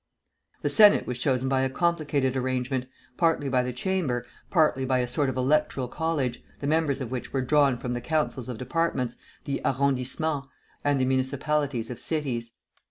The Senate was chosen by a complicated arrangement, partly by the Chamber, partly by a sort of electoral college, the members of which were drawn from the councils of departments, the arrondissements, and the municipalities of cities.